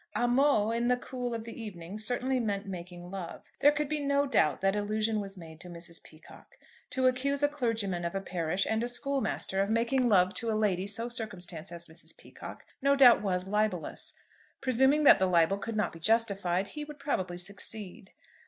"'Amo' in the cool of the evening," certainly meant making love. There could be no doubt that allusion was made to Mrs. Peacocke. To accuse a clergyman of a parish, and a schoolmaster, of making love to a lady so circumstanced as Mrs. Peacocke, no doubt was libellous. Presuming that the libel could not be justified, he would probably succeed.